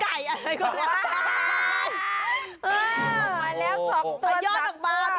ค่ะค่ะค่ะมาแล้ว๒ตัวทักษะขย้อนออกมา